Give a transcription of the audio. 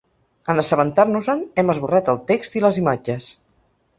En assabentar-nos-en, hem esborrat el text i les imatges.